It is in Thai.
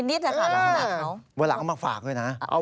วันหลังเอามาฝากด้วยนะ